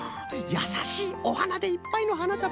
やさしいおはなでいっぱいのはなたばな。